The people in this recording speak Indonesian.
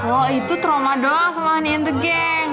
oh itu trauma doang sama hanin tuh geng